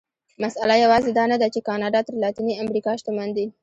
مسئله یوازې دا نه ده چې کاناډا تر لاتینې امریکا شتمن دي.